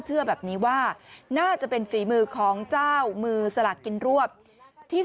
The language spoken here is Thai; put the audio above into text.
เชื่อแบบนี้ว่าน่าจะเป็นฝีมือของเจ้ามือสลักกินรวบที่